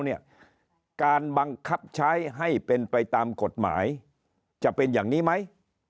การบังคับใช้ให้เป็นไปตามกฎหมายจะเป็นอย่างนี้ไหม